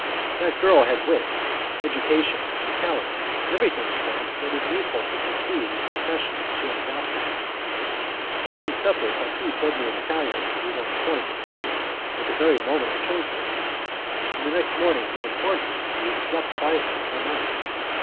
That girl had wit, education and talent everything, in fact, that is needful to succeed in the profession she had adopted. During the supper Patu told me in Italian that he was on the point of taking her at the very moment I chose her, and the next morning he informed me that he had slept quietly all night.